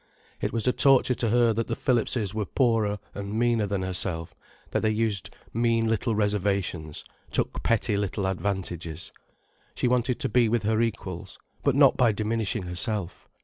It was a torture to her that the Phillipses were poorer and meaner than herself, that they used mean little reservations, took petty little advantages. She wanted to be with her equals: but not by diminishing herself.